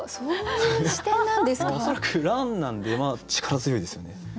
恐らく蘭なんで力強いですよね。